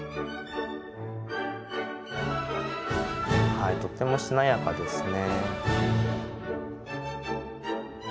はいとってもしなやかですね。